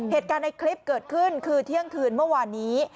เหตุการณ์ในคลิปเกิดขึ้นคือเที่ยงคืนเมื่อวานนี้